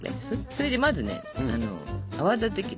それでまずね泡立て器で。